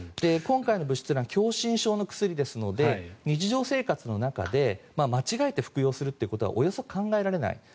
今回の物質が狭心症の薬ですので日常生活の中で間違えて服用するということはおおよそ考えられない。